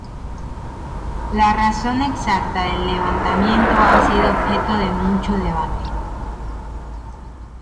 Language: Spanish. La razón exacta del levantamiento ha sido objeto de mucho debate.